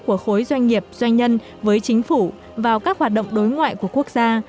của khối doanh nghiệp doanh nhân với chính phủ vào các hoạt động đối ngoại của quốc gia